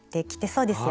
そうですね。